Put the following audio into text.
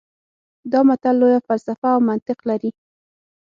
دا متل لویه فلسفه او منطق لري